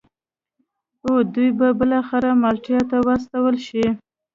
او دوی به بالاخره مالټا ته واستول شي.